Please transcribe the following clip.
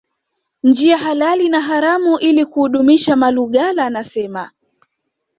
njia halali na haramu ili kuudumisha Malugala anasema